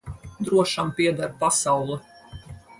Drošam pieder pasaule.